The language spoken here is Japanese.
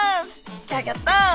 ギョギョッと！